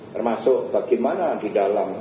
termasuk bagaimana di dalam